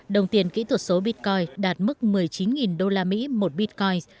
đồng tiền kỹ thuật số bitcoin đạt mức một mươi chín đô la mỹ một bitcoin